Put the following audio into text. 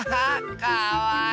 かわいい！